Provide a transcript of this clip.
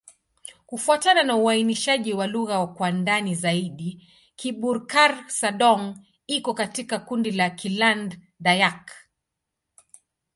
Kufuatana na uainishaji wa lugha kwa ndani zaidi, Kibukar-Sadong iko katika kundi la Kiland-Dayak.